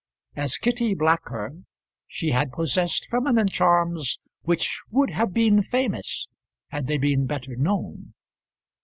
As Kitty Blacker she had possessed feminine charms which would have been famous had they been better known.